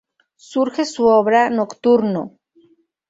Surge su obra "Nocturno".